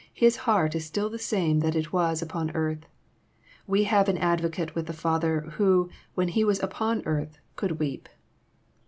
His heart is still the same that it was upon earth. We have an Advocate with the Father, who, when He was upon earth, could weep.